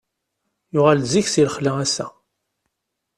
Yuɣal-d zik si lexla ass-a.